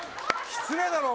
失礼だろ！